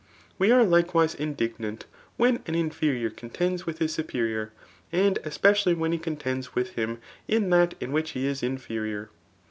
. We are likewise indig* nant when, an inferior contends with his superior, and eq>eciaily .when he contends with him m that in which heis inferior.